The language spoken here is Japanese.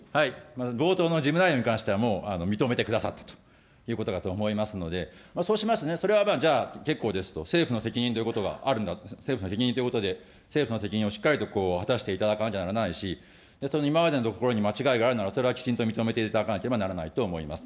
冒頭の事務内容に関しては、もう認めてくださったということだと思いますので、そうしますと、じゃあ、それは結構ですと、政府の責任であるんだと、政府の責任ということで、政府の責任をしっかりと果たしていただかなきゃならないし、今までのところに間違いがあるならば、それはきちんと認めていただかなければならないと思います。